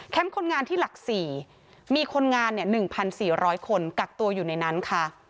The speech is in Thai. คนงานที่หลัก๔มีคนงาน๑๔๐๐คนกักตัวอยู่ในนั้นค่ะ